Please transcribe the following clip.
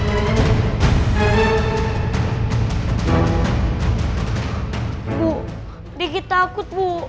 ibu dikit takut ibu